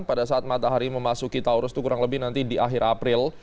pada saat matahari memasuki taurus itu kurang lebih nanti di akhir april